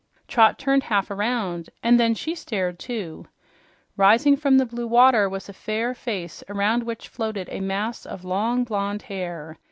Trot turned half around, and then she stared, too. Rising from the blue water was a fair face around which floated a mass of long, blonde hair.